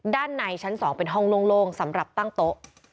ด้านในชั้น๒เป็นห้องโล่งสำหรับตั้งโต๊ะ